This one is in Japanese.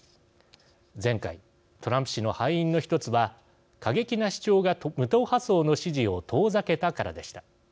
前回、トランプ氏の敗因の１つは過激な主張が無党派層の支持を遠ざけたからでした。